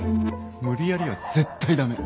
無理やりは絶対駄目。